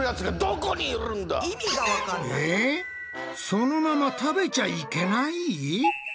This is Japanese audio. そのまま食べちゃいけない？